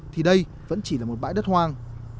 thì đây vẫn chỉ là một bãi đất hoang